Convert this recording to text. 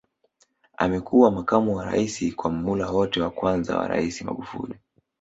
Amekuwa makamu wa Rais kwa muhula wote wa kwanza wa Rais Magufuli